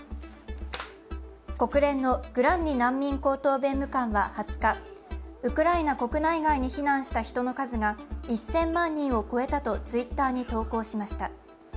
国連のグランディ難民高等弁務官は２０日、ウクライナ国内外に避難した人の数が１０００万人を超えたとＴｗｉｔｔｅｒに投稿しました。